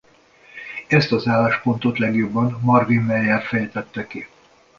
Ezt az álláspontot legjobban Marvin Meyer fejtette ki.